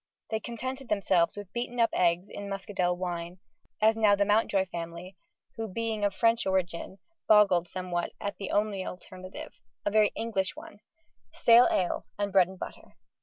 They contented themselves with beaten up eggs in muscadel wine, as now the Mountjoy family; who, being of French origin, boggled somewhat at the only alternative a very English one small ale and bread and butter.